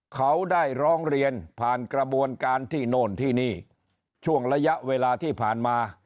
เขาได้ร้องเรียนผ่านกระบวนการที่โน่นที่นี่ช่วงระยะเวลาที่ผ่านมา